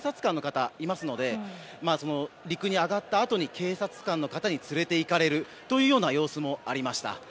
ただ、川の横にも警察官の方がいますので陸に上がったあとに警察官の方に連れていかれるというような様子もありました。